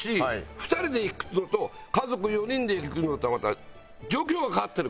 ２人で行くのと家族４人で行くのとはまた状況が変わってるから。